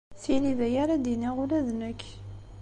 Tili d aya ara d-iniɣ ula d nekk.